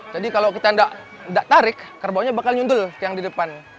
jadi kalau kita tidak tarik kerbaunya akan nyundul ke yang di depan